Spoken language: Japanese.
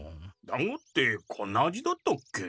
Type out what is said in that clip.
だんごってこんな味だったっけ？